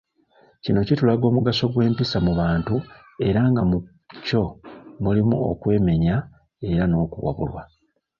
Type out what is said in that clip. Kino kitulaga omugaso gw'empisa mu bantu era nga mu kyo mulimu okwemenya era n'okuwabulwa.